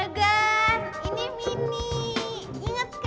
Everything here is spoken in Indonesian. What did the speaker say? seperti manusia like america